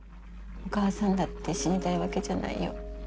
お母さんだって死にたいわけじゃないよ。